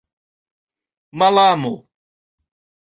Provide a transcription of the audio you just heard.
malamo